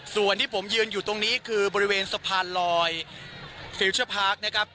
ส่วนที่ผมยืนอยู่ตรงนี้คือบริเวณสะพานลอยฟิลเชอร์พาร์คนะครับ